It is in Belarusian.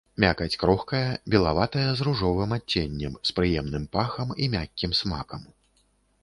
Мякаць крохкая, белаватая з ружаватым адценнем, з прыемным пахам і мяккім смакам.